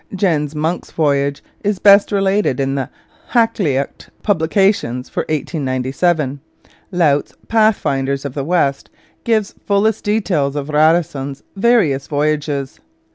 Jens Munck's voyage is best related in the Hakluyt Publications for 1897. Laut's Pathfinders of the West gives fullest details of Radisson's various voyages.